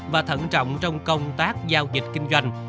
và thận trọng trong công tác giao dịch kinh doanh